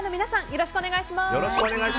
よろしくお願いします。